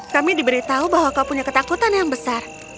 kami diberitahu bahwa kau punya ketakutan yang besar